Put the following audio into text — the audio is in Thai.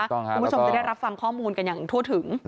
คุณผู้ชมจะได้รับฟังข้อมูลอย่างทั่วถึงกันค่ะแล้วก็